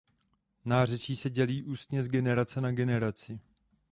Nářečí se dědí ústně z generace na generaci.